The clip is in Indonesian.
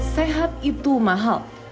sehat itu mahal